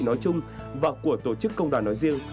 nói chung và của tổ chức công đoàn nói riêng